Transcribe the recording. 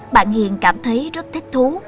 bạn hiền cảm thấy rất thích thú